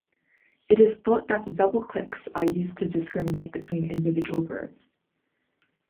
It is thought that the double clicks are used to discriminate between individual birds.